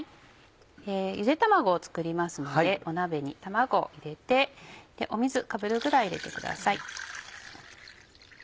ゆで卵を作りますので鍋に卵を入れて水かぶるぐらい入れてください。